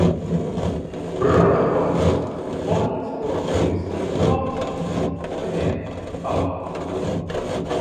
Protokols ir politisko virsnieku lauciņš, vai ne, Pavlov?